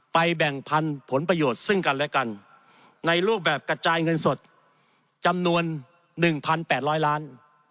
แบ่งพันธุ์ผลประโยชน์ซึ่งกันและกันในรูปแบบกระจายเงินสดจำนวน๑๘๐๐ล้าน